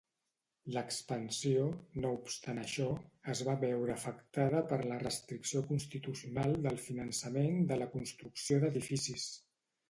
L'expansió, no obstant això, es va veure afectada per la restricció constitucional del finançament de la construcció d'edificis.